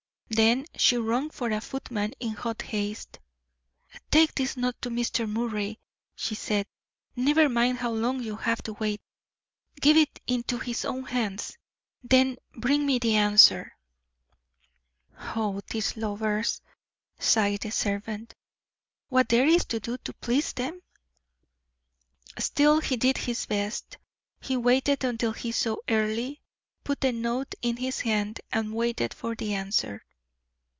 Then she rung for a footman in hot haste. "Take this note to Mr. Moray," she said. "Never mind how long you have to wait. Give it into his own hands, then bring me the answer." "Oh, these lovers," sighed the servant. "What there is to do to please them!" Still, he did his best. He waited until he saw Earle, put the note in his hand, and waited for the answer.